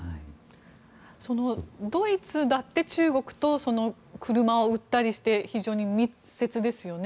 ドイツだって中国と車を売ったりして非常に密接ですよね。